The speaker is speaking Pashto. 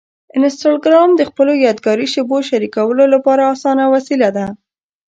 انسټاګرام د خپلو یادګاري شېبو شریکولو لپاره اسانه وسیله ده.